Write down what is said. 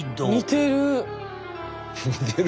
似てる。